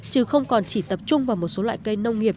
chứ không còn chỉ tập trung vào một số loại cây nông nghiệp